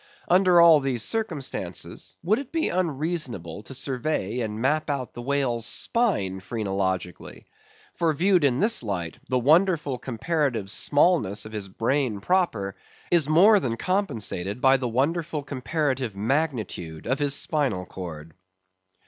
Under all these circumstances, would it be unreasonable to survey and map out the whale's spine phrenologically? For, viewed in this light, the wonderful comparative smallness of his brain proper is more than compensated by the wonderful comparative magnitude of his spinal cord.